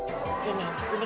menjalankan usaha milik sendiri